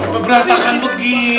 beberat akan begitu